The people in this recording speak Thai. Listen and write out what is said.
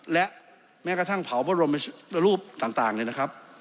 และแม้กระทั่งเผาพระบรมรูปต่างเนี่ยนะครับ